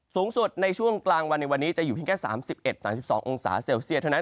สูงสุดในช่วงกลางวันในวันนี้จะอยู่เพียงแค่๓๑๓๒องศาเซลเซียสเท่านั้น